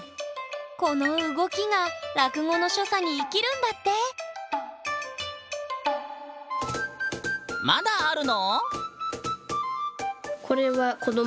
この動きが落語の所作に生きるんだってまだあるの？